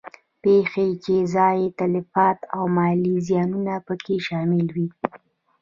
پېښې چې ځاني تلفات او مالي زیانونه په کې شامل وي.